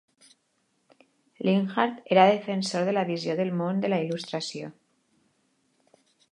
Linhart era defensor de la visió del món de la Il·lustració.